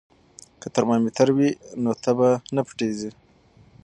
که ترمامیتر وي نو تبه نه پټیږي.